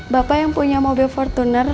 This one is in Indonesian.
bapak yang punya mobil fortuner